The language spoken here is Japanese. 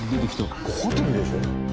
ホテルでしょ？